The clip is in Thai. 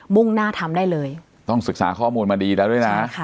่งหน้าทำได้เลยต้องศึกษาข้อมูลมาดีแล้วด้วยนะ